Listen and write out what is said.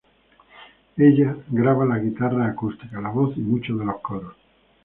Ella graba las guitarras acústicas, la voz y muchos de los coros.